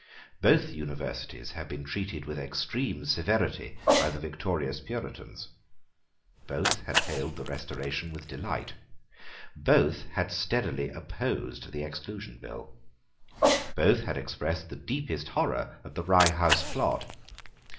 Both Universities had been treated with extreme severity by the victorious Puritans. Both had hailed the restoration with delight. Both had steadily opposed the Exclusion Bill. Both had expressed the deepest horror at the Rye House Plot.